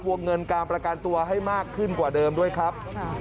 วงเงินการประกันตัวให้มากขึ้นกว่าเดิมด้วยครับ